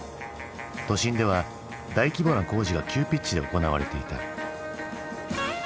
都心では大規模な工事が急ピッチで行われていた。